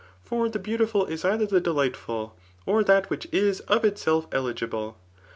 For die beautifttl is dther the delightful, or that iB^hich is of itself oligMe.